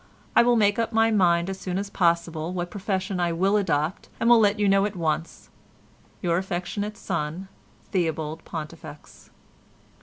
I will make up my mind as soon as possible what profession I will adopt, and will let you know at once.—Your affectionate son, THEOBALD PONTIFEX."